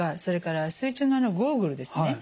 それから水中のゴーグルですね